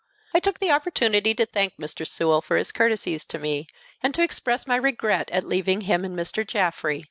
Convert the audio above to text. I took the opportunity to thank Mr. Sewell for his courtesies to me, and to express my regret at leaving him and Mr. Jaffrey.